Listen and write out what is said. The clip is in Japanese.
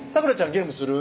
ゲームする？